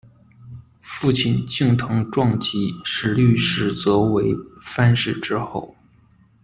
父亲近藤壮吉是律师则为藩士之后。